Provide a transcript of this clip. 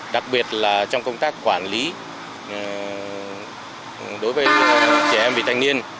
đặc biệt là trong công tác quản lý đối với trẻ em vị thành viên